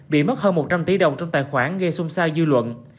bị mất hơn một trăm linh tỷ đồng trong tài khoản gây xung sao dư luận